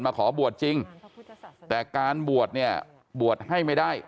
ขอบวชจริงแต่การบวชเนี่ยบวชให้ไม่ได้